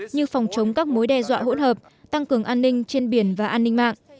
như phòng chống các mối đe dọa hỗn hợp tăng cường an ninh trên biển và an ninh mạng